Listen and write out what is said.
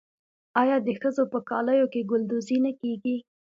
آیا د ښځو په کالیو کې ګلدوزي نه کیږي؟